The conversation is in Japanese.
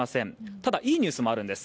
ただいいニュースもあるんです。